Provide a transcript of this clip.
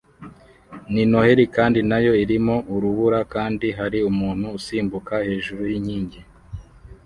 Ni Noheri kandi nayo irimo urubura kandi hari umuntu usimbuka hejuru yinkingi